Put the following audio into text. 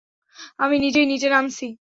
আমি নিজেই নিচে নামছি।